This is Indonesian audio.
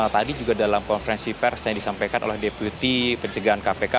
tadi juga dalam konferensi pers yang disampaikan oleh deputi pencegahan kpk